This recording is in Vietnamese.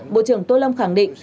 bộ trưởng tô lâm khẳng định